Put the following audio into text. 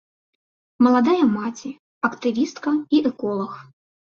Маладая маці, актывістка і эколаг.